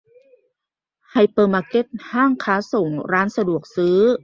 - ไฮเปอร์มาร์ต ห้างค้าส่ง ร้านสะดวกซื้อ